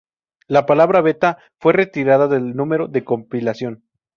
La palabra "beta" fue retirada del número de compilación.